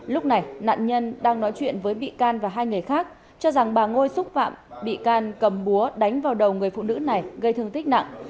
lúc này nạn nhân đang nói chuyện với bị can và hai người khác cho rằng bà ngôi xúc phạm bị can cầm búa đánh vào đầu người phụ nữ này gây thương tích nặng